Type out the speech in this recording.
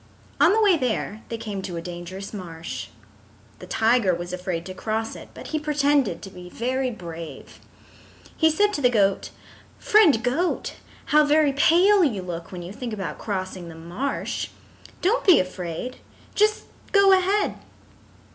On the way there they came to a dangerous marsh. The tiger was afraid to cross it, but he pretended to be very brave. He said to the goat: "Friend Goat, how very pale you look when you think about crossing the marsh. Don't be afraid. Just go ahead."